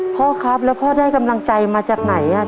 พ่อครับแล้วพ่อได้กำลังใจมาจากไหน